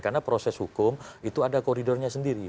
karena proses hukum itu ada koridornya sendiri